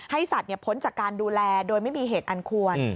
สัตว์พ้นจากการดูแลโดยไม่มีเหตุอันควร